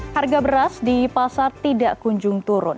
harga beras di pasar tidak kunjung turun